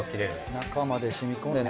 中まで染み込んでね。